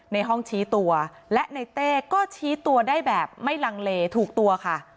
ในห้องชี้ตัวและในเต้ก็ชี้ตัวได้แบบไม่ลังเลถูกตัวค่ะ